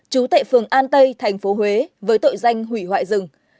chú tệ phường an tây tp huế với tội danh hủy hoại rừng